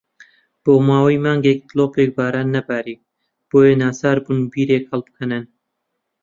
بۆ ماوەی مانگێک دڵۆپێک باران نەباری، بۆیە ناچار بوون بیرێک هەڵبکەنن.